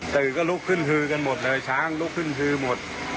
ตื่นก็ลุกขึ้นฮือกันหมดเลยช้างลุกขึ้นฮือหมด